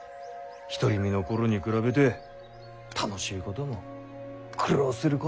独り身の頃に比べて楽しいことも苦労することも。